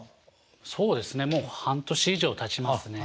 そうですねもう半年以上たちますね。